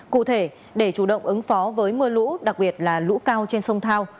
cụ thể để chủ động ứng phó với mưa lũ đặc biệt là lũ cao trên sông thao